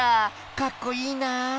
かっこいいなあ。